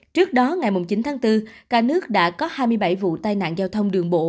trước đó ngày chín tháng bốn cả nước đã có hai mươi bảy vụ tai nạn giao thông đường bộ